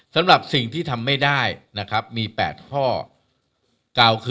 สำหรับสิ่งที่ทำไม่ได้นะครับมี๘ข้อ